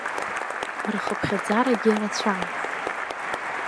Рхыԥхьаӡарагьы рацәан.